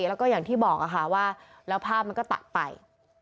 แล้วก็อย่างที่บอกค่ะว่าแล้วภาพมันก็ตัดไป